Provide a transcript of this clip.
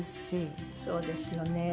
そうですよね。